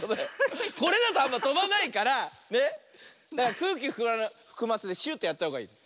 これだとあんまとばないからねくうきふくませてシューッてやったほうがいい。